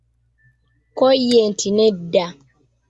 Kko ye nti nedda.